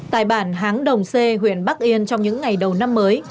tại bản háng đồng c huyện bắc yên trong những ngày đầu năm mới